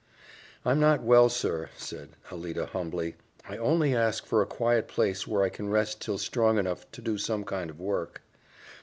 "I'm not well, sir," said Alida humbly. "I only ask for a quiet place where I can rest till strong enough to do some kind of work."